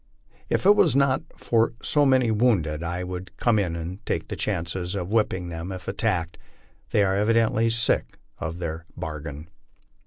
If it was not for so many wounded, I would come in and take the chances of whipping them if attacked. They are evidently sick of their bargain.